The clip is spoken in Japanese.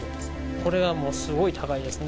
これがもうすごい高いですね。